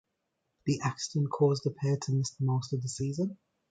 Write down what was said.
The accident caused the pair to miss most of the season.